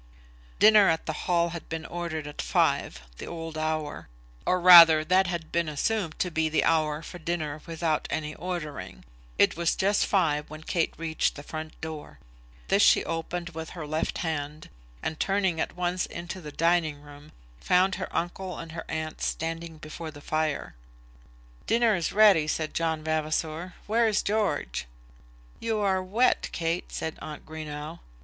Dinner at the Hall had been ordered at five, the old hour; or rather that had been assumed to be the hour for dinner without any ordering. It was just five when Kate reached the front door. This she opened with her left hand, and turning at once into the dining room, found her uncle and her aunt standing before the fire. "Dinner is ready," said John Vavasor; "where is George?" "You are wet, Kate," said aunt Greenow.